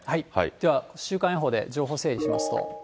では週間予報で情報整理しますと。